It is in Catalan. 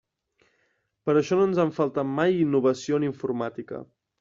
Per això no ens ha faltat mai innovació en informàtica.